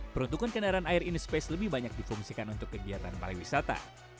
peruntukan kendaraan air in space lebih banyak difungsikan untuk kegiatan pariwisata